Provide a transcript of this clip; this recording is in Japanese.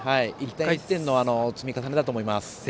１回１点の積み重ねだと思います。